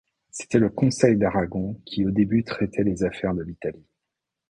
C'était le Conseil d'Aragon qui au début traitait les affaires de l'Italie.